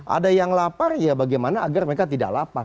ada yang lapar ya bagaimana agar mereka tidak lapar